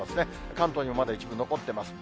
関東にもまだ一部残ってます。